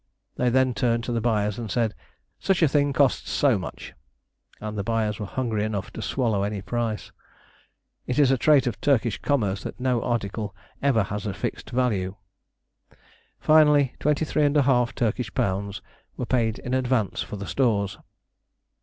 They then turned to the buyers and said "such a thing costs so much," and the buyers were hungry enough to swallow any price. It is a trait of Turkish commerce that no article ever has a fixed value. Finally 23½ Turkish pounds were paid in advance for the stores.